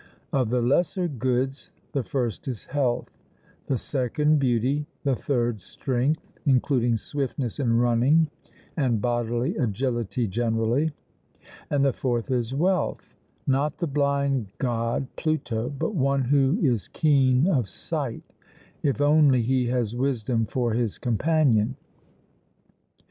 Of the lesser goods the first is health, the second beauty, the third strength, including swiftness in running and bodily agility generally, and the fourth is wealth, not the blind god (Pluto), but one who is keen of sight, if only he has wisdom for his companion.